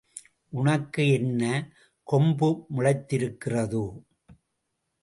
உனக்கு என்ன, கொம்பு முளைத்திருக்கிறதோ?